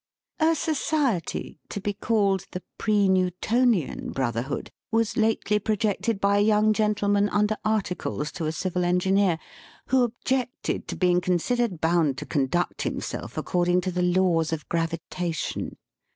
A Society, to be called the Pre Newtonian Brotherhood, was lately projected by a young gentleman, under articles to a Civil Engineer, who objected to being considered bound to con duct himself according to the laws of gravitation.